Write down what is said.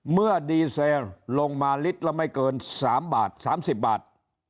เมื่อดีเซลลงมาลิตรละไม่เกิน๓บาท๓๐บาท